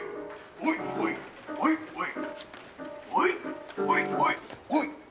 おいおいおいおいおい。